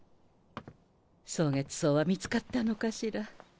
蒼月草は見つかったのかしら？